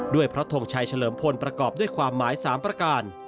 พระทงชัยเฉลิมพลประกอบด้วยความหมาย๓ประการ